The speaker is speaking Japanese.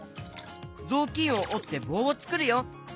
ぞうきんをおってぼうをつくるよ。